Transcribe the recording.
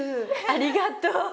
ありがとう！